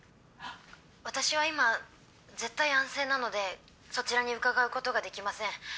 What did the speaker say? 私は今絶対安静なのでそちらに伺うことができません。